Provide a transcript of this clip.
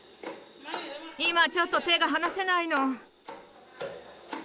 今ちょっと手が離せないの。